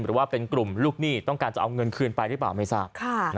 หรือว่าเป็นกลุ่มลูกหนี้ต้องการจะเอาเงินคืนไปหรือเปล่าไม่ทราบ